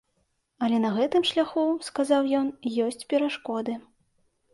Але на гэтым шляху, сказаў ён, ёсць перашкоды.